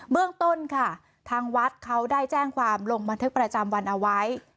เรื่องต้นค่ะทางวัดเขาได้แจ้งความลงบันทึกประจำวันเอาไว้